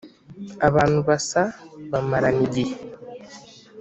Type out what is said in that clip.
abantu basa bamarana igihe